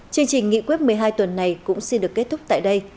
chương trình nghị quyết một mươi hai tuần này cũng xin được kết thúc tại đây